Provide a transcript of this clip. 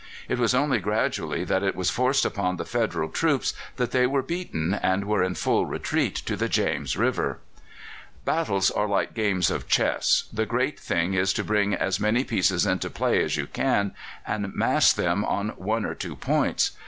It was only gradually that it was forced upon the Federal troops that they were beaten and were in full retreat to the James River. Battles are like games of chess. The great thing is to bring as many pieces into play as you can and mass them on one or two points.